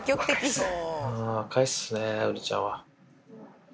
若いっすね、ウリちゃんは。